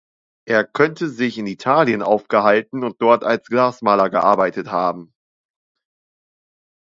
Er könnte sich in Italien aufgehalten und dort als Glasmaler gearbeitet haben.